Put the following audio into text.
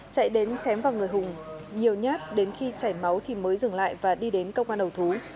chạy đến chém vào người hùng nhiều nhát đến khi chảy máu thì mới dừng lại và đi đến công an đầu thú